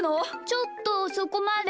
ちょっとそこまで。